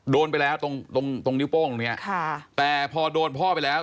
โดนไปแล้วตรงตรงตรงนิ้วโป้งตรงเนี้ยค่ะแต่พอโดนพ่อไปแล้ว